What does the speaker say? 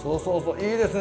いいですね。